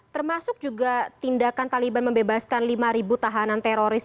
termasuk juga tindakan taliban membebaskan lima tahanan teroris